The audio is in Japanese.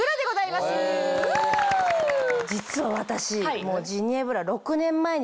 実は私。